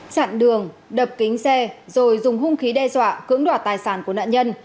chặn đường đập kính xe rồi dùng hung khí đe dọa cưỡng đoạt tài sản của nạn nhân